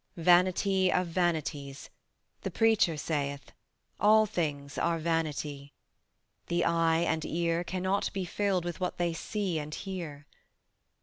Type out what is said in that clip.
Vanity of vanities, the Preacher saith, All things are vanity. The eye and ear Cannot be filled with what they see and hear.